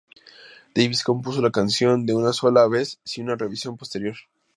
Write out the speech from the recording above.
Davies compuso la canción de una sola vez sin una revisión posterior.